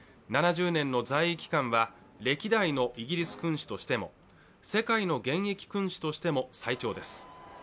７０年の在位期間は歴代のイギリス君主としても世界の現役君主としても最長です。